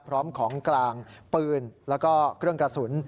พร้อมของกลางปืนแล้วก็เครื่องกระสุน